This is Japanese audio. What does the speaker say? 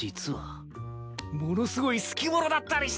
ものすごいスキモノだったりして！